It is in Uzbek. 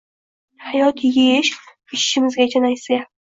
Hatto yeyish – ichishimizgacha nasiya